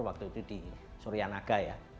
waktu itu di surianaga ya